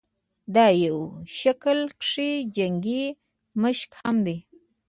دا يو شکل کښې جنګي مشق هم دے